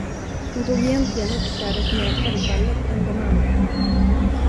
Hon tog egentligen uppträdet mera självfallet än de andra.